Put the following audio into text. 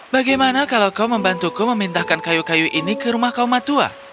bagaimana kalau kau membantuku memindahkan kayu kayu ini ke rumah kaum matua